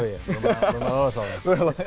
oh iya belum lulus soalnya